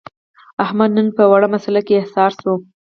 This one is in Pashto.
احمد نن په وړه مسعله کې حصار شو.